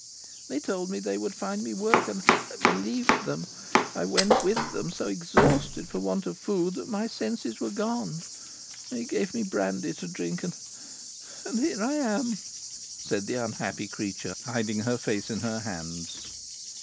They told me they would find me work, and I believed them. I went with them, so exhausted for want of food that my senses were gone. They gave me brandy to drink, and and here I am!" said the unhappy creature, hiding her face in her hands.